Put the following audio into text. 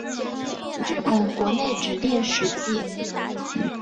日本国内指定史迹。